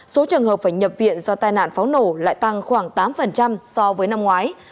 số trường hợp phải nhập viện do tai nạn pháo nổ lại tăng khoảng tám so với năm ngoái